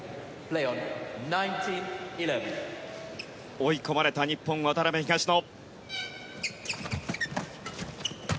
追い込まれた日本渡辺、東野。